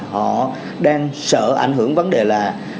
họ đang sợ ảnh hưởng vấn đề là